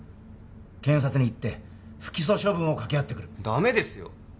検察に言って不起訴処分を掛け合ってくるダメですよ